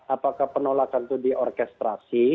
apakah penolakan itu diorkestrasi